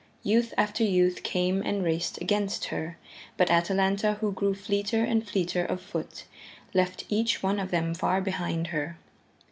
Youth after youth came and raced against her, but Atalanta, who grew fleeter and fleeter of foot, left each one of them far behind her.